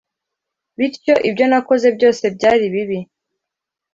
bityo ibyo nakoze byose byari bibi